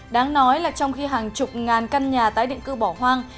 đáng nói là trong khi hàng chục ngàn căn nhà tái định cư bỏ hoang